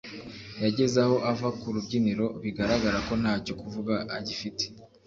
yageze aho ava ku rubyiniro bigaragara ko ntacyo kuvuga agifite